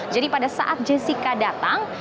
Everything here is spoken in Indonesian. jadi pada saat jessica datang